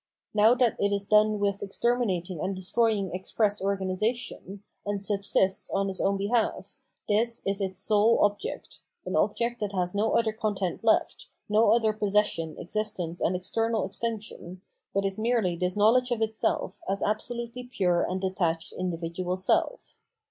Now that it is done with exterminating and destroying express organisation, and subsists on its own behalf, this is its sole object, an object that has no other content left, no other possession, existence and external exten Absolute Freedom and Terror 599 sion, but is merely this knowledge of itself as absolutely pure and detached individual self.